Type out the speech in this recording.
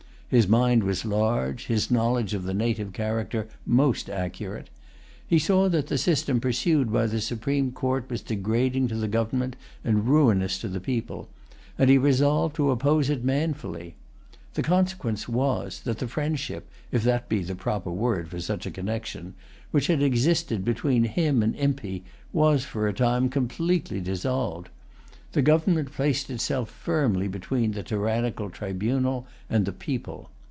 His mind was large; his knowledge of the native character most accurate. He saw that the system pursued by the Supreme Court was degrading to the government and ruinous to the people; and he resolved to oppose it manfully. The consequence was, that the friendship, if that be the proper word for such a connection, which had existed between him and Impey, was for a time completely dissolved. The government placed itself firmly between the tyrannical tribunal and the people.